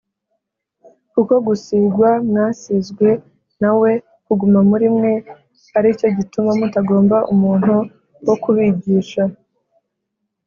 kuko gusīgwa mwasīzwe na we kuguma muri mwe, ari cyo gituma mutagomba umuntu wo kubigisha,